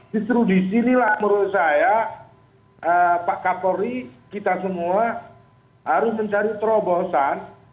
justru disinilah menurut saya pak kapolri kita semua harus mencari terobosan